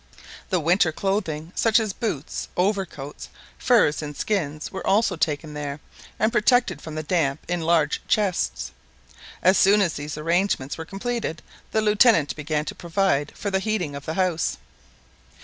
The winter clothing such as boots, overcoats, furs, and skins were also taken there, and protected from the damp in large chests. As soon as these arrangements were completed, the Lieutenant began to provide for the heating of the house.